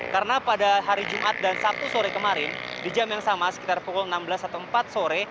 karena pada hari jumat dan sabtu sore kemarin di jam yang sama sekitar pukul enam belas atau empat sore